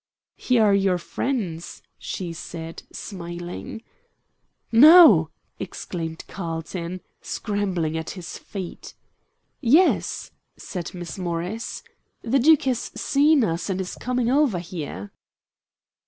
"Here are your friends," she said, smiling. "No!" exclaimed Carlton, scrambling to his feet. "Yes," said Miss Morris. "The Duke has seen us, and is coming over here."